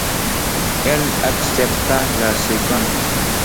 Il accepta la seconde.